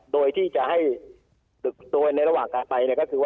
โดยที่จะให้โดยในระหว่างกันไปเนี่ย